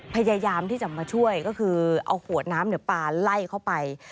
พยายามที่จะมาช่วยก็คือเอาขวดน้ำปลาไล่เข้าไป